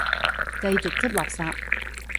繼續執垃圾